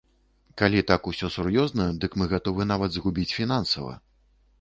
Калі так усё сур'ёзна, дык мы гатовы нават згубіць фінансава.